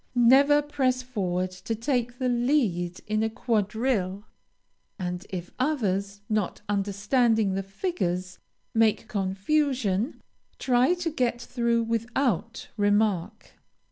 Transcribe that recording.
Never press forward to take the lead in a quadrille, and if others, not understanding the figures, make confusion, try to get through without remark.